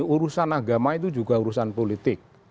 urusan agama itu juga urusan politik